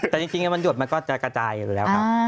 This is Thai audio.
แต่จริงมันหยดมันก็จะกระจายแบบนั้น